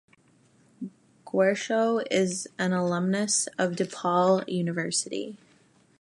Guercio is an alumnus of DePaul University.